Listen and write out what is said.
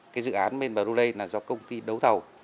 cái dự án bên brunei là do công ty đấu thầu